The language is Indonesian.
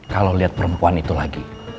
kalo liat perempuan itu lagi